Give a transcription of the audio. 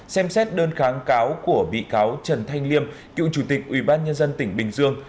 xem xét đơn kháng cáo của bị cáo trần thanh liêm cựu chủ tịch ubnd tỉnh bình dương